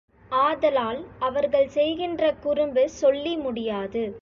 ஆதலால் அவர்கள் செய்கின்ற குறும்பு சொல்லி முடியாது.